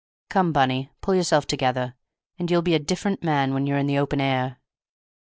Come, Bunny, pull yourself together, and you'll be a different man when you're in the open air."